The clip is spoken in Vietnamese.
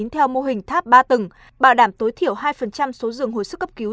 theo mô hình tháp ba tầng bảo đảm tối thiểu hai số dường hồi sức cấp cứu